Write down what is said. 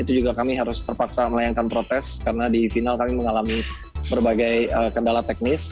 itu juga kami harus terpaksa melayangkan protes karena di final kami mengalami berbagai kendala teknis